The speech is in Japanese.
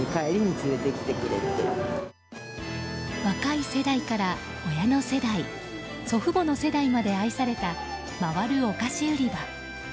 若い世代から親の世代祖父母の世代まで愛された回るお菓子売り場。